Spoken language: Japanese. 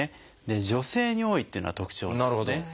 で女性に多いっていうのが特徴なんですね。